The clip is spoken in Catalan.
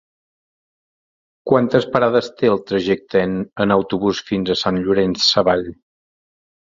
Quantes parades té el trajecte en autobús fins a Sant Llorenç Savall?